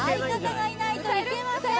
相方がいないといけません・